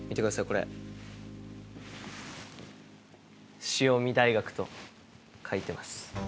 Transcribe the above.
これ潮見大学と書いてます